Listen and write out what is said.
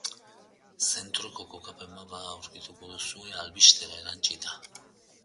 Zentroko kokapen-mapa aurkituko duzue albistera erantsita.